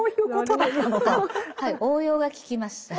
はい応用が利きます。